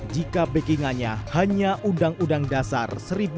jika backingannya hanya undang undang dasar seribu sembilan ratus empat puluh lima